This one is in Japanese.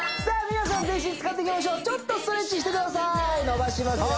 皆さん全身使っていきましょうちょっとストレッチしてください伸ばしますよ